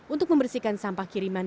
untuk membersihkan sampah kiriman